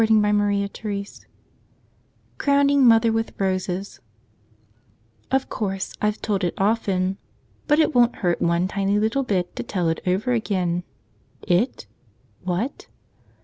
I love men so much !" Crotom'ng 0§ot&er Wiitb Uose0 OF COURSE, I've told it often. But it won't hurt one tiny little bit to tell it over again. It? What?